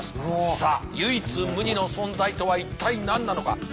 さあ唯一無二の存在とは一体何なのか。